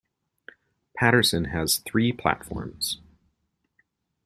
Patterson has three platforms.